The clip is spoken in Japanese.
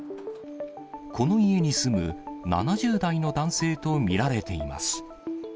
この家に住む７０代の男性と見られています。